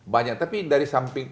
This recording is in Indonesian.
banyak tapi dari samping